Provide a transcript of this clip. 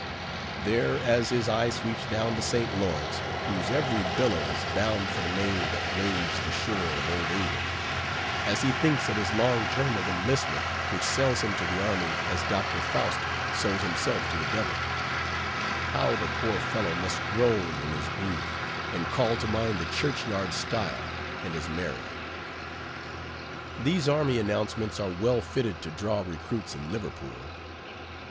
There, as his eye sweeps down the St. Lawrence, whose every billow is bound for the main that laves the shore of Old England; as he thinks of his long term of enlistment, which sells him to the army as Doctor Faust sold himself to the devil; how the poor fellow must groan in his grief, and call to mind the church yard stile, and his Mary. These army announcements are well fitted to draw recruits in Liverpool.